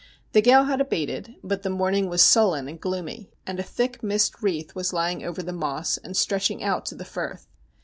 The gale had abated, but the morning was sullen and gloomy, and a thick mist wreath was lying over the Moss, and stretching out to the Firth.